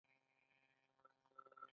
د ژوند ارزښت وپیژنئ